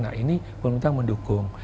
nah ini pemerintah mendukung